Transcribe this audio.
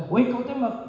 woi kau tembak